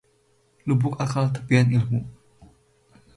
Lubuk akal tepian ilmu